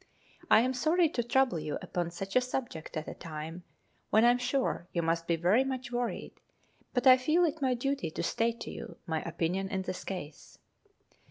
I am sorry to trouble you upon such a subject at a time when I am sure you must be very much worried, but I feel it my duty to state to you my opinion in this case.